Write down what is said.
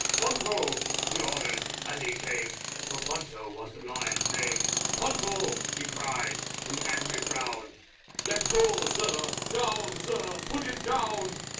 "Ponto!" he ordered as he came (For Ponto was the Lion's name), "Ponto!" he cried, with angry Frown. "Let go, Sir! Down, Sir! Put it down!"